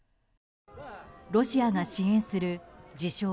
ロシアが支援する自称